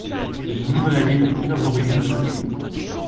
Le nom de la ville à plusieurs origines possibles.